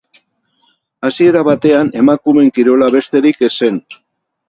Hasiera batean emakumeen kirola besterik ez zen.